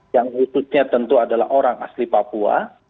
yang khususnya tentu adalah orang asli papua